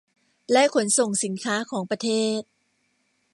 และขนส่งสินค้าของประเทศ